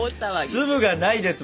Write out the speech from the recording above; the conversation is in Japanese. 粒がないです